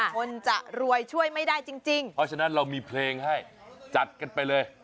คนจะรวยช่วยไม่ได้จริงเพราะฉะนั้นเรามีเพลงให้จัดกันไปเลย